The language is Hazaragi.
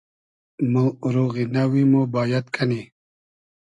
مۉ اوروغی نئوی مۉ بایئد کئنی